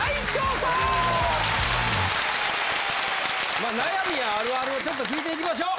まあ悩みやあるあるをちょっと聞いていきましょう！